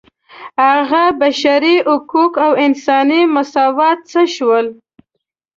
هغه بشري حقوق او انساني مساوات څه شول.